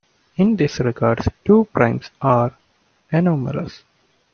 In this regard, two primes are anomalous.